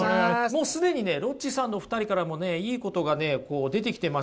もう既にねロッチさんの２人からもねいいことがねこう出てきてましたよ。